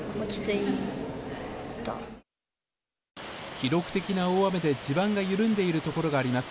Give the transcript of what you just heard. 記録的な大雨で、地盤が緩んでいるところがあります。